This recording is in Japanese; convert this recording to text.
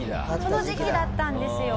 その時期だったんですよ。